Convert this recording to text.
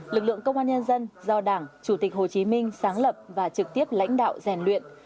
lực lượng công an nhân dân do đảng chủ tịch hồ chí minh sáng lập và trực tiếp lãnh đạo rèn luyện